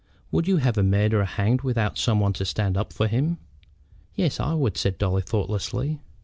Would you have a murderer hanged without some one to stand up for him?" "Yes, I would," said Dolly, thoughtlessly.